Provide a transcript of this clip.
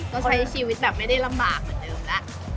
ก็ใช้ชีวิตแบบไม่ได้ลำบากเหมือนเดิมแล้ว